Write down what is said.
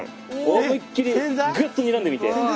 思いっきりグッとにらんでみて。